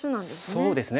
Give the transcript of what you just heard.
そうですね。